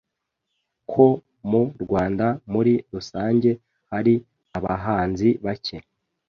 ko mu Rwanda muri rusange hari abahanzi bake